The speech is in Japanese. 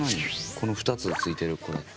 この２つついてるこれ。